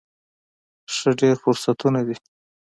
ښه، ډیر فرصتونه دي